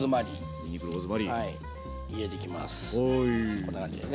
こんな感じでね。